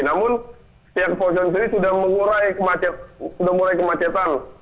namun pihak kepolisian sendiri sudah mengurai kemacetan